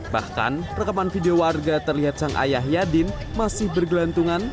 bahkan rekaman video warga terlihat sang ayah yadin masih bergelantungan